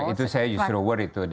itu saya juga worry tuh